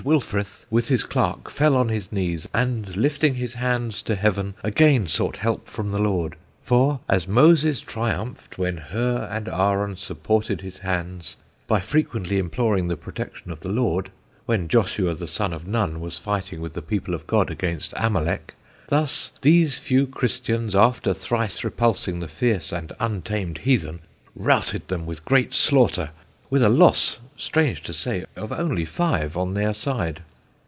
Wilfrith with his clerk fell on his knees, and lifting his hands to Heaven again sought help from the Lord. For, as Moses triumphed when Hur and Aaron supported his hands, by frequently imploring the protection of the Lord, when Joshua the son of Nun was fighting with the people of God against Amalek, thus these few Christians after thrice repulsing the fierce and untamed heathen, routed them with great slaughter, with a loss strange to say of only five on their side.